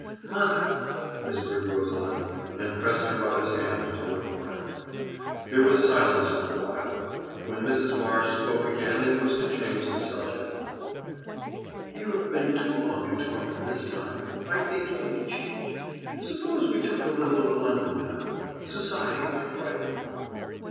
"Mother!" whispered Rosalind, and pressed her mother's hand to her forehead. There was silence for a while. When Mrs. Marsh spoke again it was to change the subject. "You have been too long at Tormouth this time. I think you need a change. Suppose we took a little of London now? Society might brighten you."